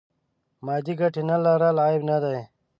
مادې ګټې نه لرل عیب نه دی.